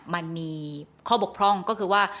มันมีข้อบกพร่องก็คือว่า